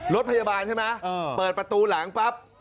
รถพยาบาลใช่ไหมเปิดประตูหลังปั๊บ